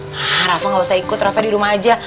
harap rafa gak usah ikut rafa di rumah aja